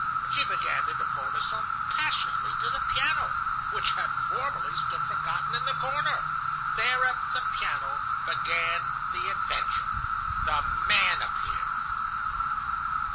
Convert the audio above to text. She began to devote herself passionately to the piano, which had formerly stood forgotten in the corner. There, at the piano, began the adventure. "The man appeared."